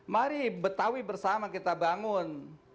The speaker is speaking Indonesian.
mari betawi bersama kita bangun